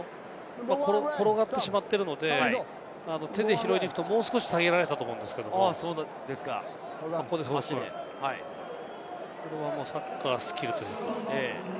転がってしまっているので、手で拾いに行くともう少し下げられたと思うんですけれども、ここはサッカースキルというか。